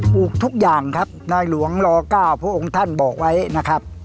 ลูกทุกอย่างครับนายหลวงล๙พระองค์ท่านบอกไว้นะครับ